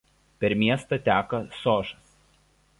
Per miestą teka Sožas.